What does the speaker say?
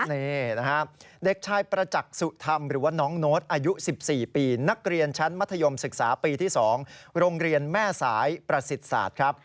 นี่นะครับเด็กชายประจักษ์สุธรรมหรือว่าน้องโน้ตอายุ๑๔ปีนักเรียนชั้นมัธยมศึกษาปีที่๒โรงเรียนแม่สายประสิทธิ์ศาสตร์ครับ